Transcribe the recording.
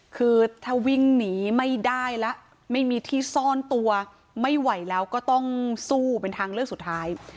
คือถ้าวิ่งหนีไม่ได้แล้วไม่มีที่ซ่อนตัวไม่ไหวแล้วก็ต้องสู้เป็นทางเลือกสุดท้าย